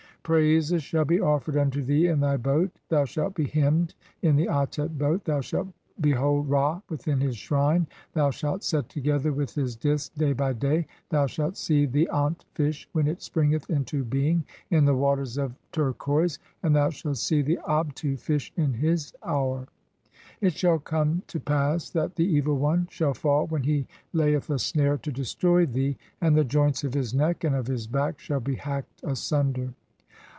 Praises "shall be offered (41) unto thee in thy boat, thou shalt be hymned "in the Atet boat, (42) thou shalt behold Ra within his shrine, "thou shalt set together with his Disk day by day, thou shalt see "(43) the Ant fish when it springeth into being in the waters of "turquoise, and thou shalt see (44) the Abtu fish in his hour. "It shall come to pass that the Evil One shall fall when he layeth "a snare to destrov thee, (45) and the joints of his neck and of "his back shall be hacked asunder.